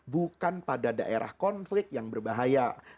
bukan pada daerah konflik yang berbahaya